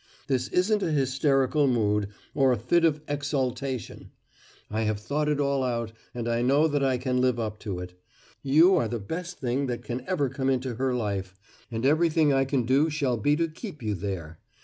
This isn't a hysterical mood, or a fit of `exaltation': I have thought it all out and I know that I can live up to it. You are the best thing that can ever come into her life, and everything I can do shall be to keep you there.